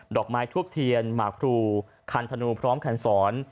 อกไม้ทูบเทียนหมากพลูคันธนูพร้อมคันสอน